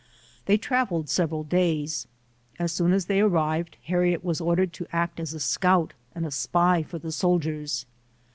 They trav eled several days. As soon as they arrived, Har riet was ordered to act as a scout and a spy for the soldiers.